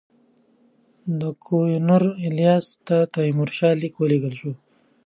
د کورنوالیس ته د تیمورشاه لیک ولېږل شو.